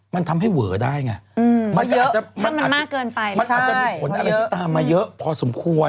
มันทำให้เวอร์ได้ไงมันอาจจะมีผลอะไรที่ตามมาเยอะพอสมควร